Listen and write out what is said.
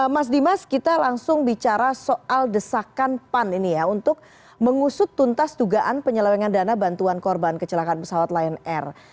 mas dimas kita langsung bicara soal desakan pan ini ya untuk mengusut tuntas dugaan penyelewengan dana bantuan korban kecelakaan pesawat lion air